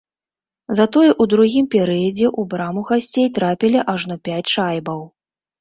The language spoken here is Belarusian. Затое ў другім перыядзе ў браму гасцей трапілі ажно пяць шайбаў.